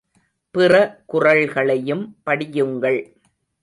பிற குறள்களையும் படியுங்கள்.